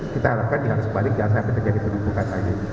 kita harapkan diharus balik jangan sampai terjadi penumbukan lagi